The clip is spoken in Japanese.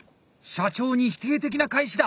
社長に否定的な返しだ！